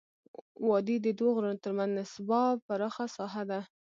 وادي د دوه غرونو ترمنځ نسبا پراخه ساحه ده.